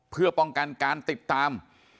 เพื่อป้องกันการติดตาม